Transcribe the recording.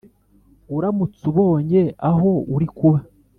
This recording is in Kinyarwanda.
uramutse ubonye aho urikuba